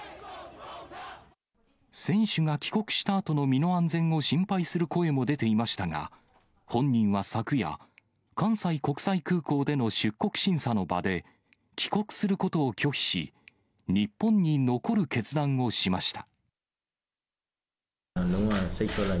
選手が帰国したあとの身の安全を心配する声も出ていましたが、本人は昨夜、関西国際空港での出国審査の場で、帰国することを拒否し、日本に残る決断をしました。